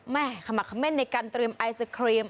แขม่งในการเตรียมไอศครีม